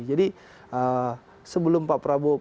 jadi sebelum pak prabowo